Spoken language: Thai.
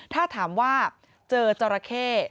ถ้าถามว่าเจอจราเข้